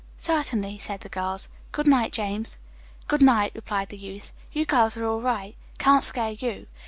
"Certainly," said the girls. "Good night, James." "Good night," replied the youth. "You girls are all right. Can't scare you."